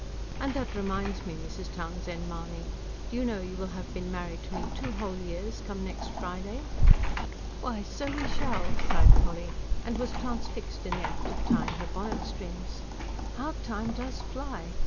And that reminds me, Mrs. Townshend Mahony, do you know you will have been married to me two whole years, come next Friday?" "Why, so we shall!" cried Polly, and was transfixed in the act of tying her bonnet strings. "How time does fly!